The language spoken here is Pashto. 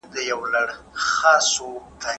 دفاع وزارت سیاسي پناه نه ورکوي.